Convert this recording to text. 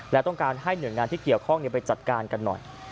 และต้องการให้หน่วยงานที่เกี่ยวข้องไปจัดการกันหน่อย